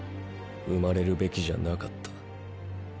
生まれるべきじゃなかった。